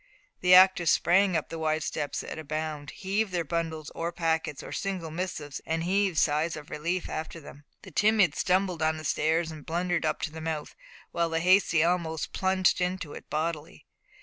The active sprang up the wide stairs at a bound, heaved in their bundles, or packets, or single missives, and heaved sighs of relief after them; the timid stumbled on the stairs and blundered up to the mouth; while the hasty almost plunged into it bodily.